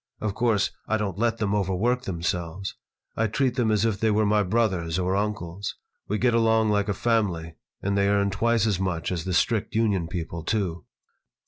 Of course, I don't let them overwork themselves. I treat them as if they were my brothers or uncles. We get along like a family, and they earn twice as much as the strict union people, too."